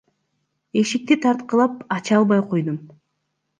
Эшикти тарткылап, ача албай койдум.